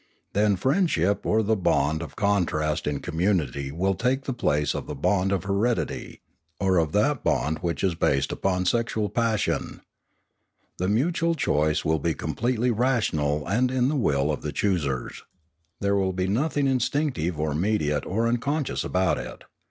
Then friendship or the bond of contrast in community will take the place of the bond of heredity, or of that bond which is based upon sexual passion. The mutual choice will be com pletely rational and in the will of the choosers. There will be nothing instinctive or mediate or unconscious about it.